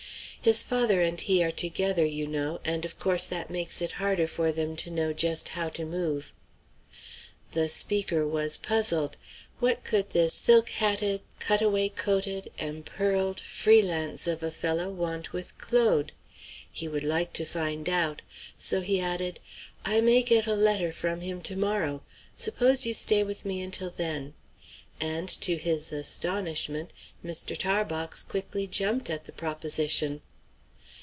His father and he are together, you know, and of course that makes it harder for them to know just how to move." The speaker was puzzled. What could this silk hatted, cut away coated, empearled, free lance of a fellow want with Claude? He would like to find out. So he added, "I may get a letter from him to morrow; suppose you stay with me until then." And, to his astonishment, Mr. Tarbox quickly jumped at the proposition.